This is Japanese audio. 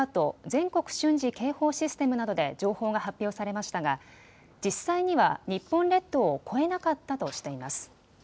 ・全国瞬時警報システムなどで情報が発表されましたが実際には日本列島を越えなかったとしています。